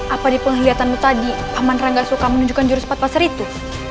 apa di penghiliatanmu tadi paman rangga suka menunjukkan jurus patpasar itu